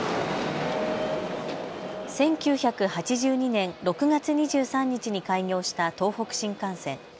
１９８２年６月２３日に開業した東北新幹線。